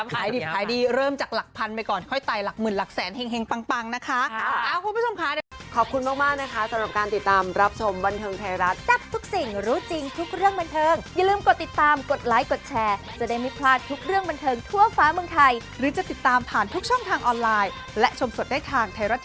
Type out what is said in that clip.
ขายดิบขายดีเริ่มจากหลักพันไปก่อนค่อยไตหลักหมื่นหลักแสนแห่งปังนะคะ